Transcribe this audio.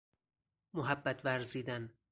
محبت ورزیدن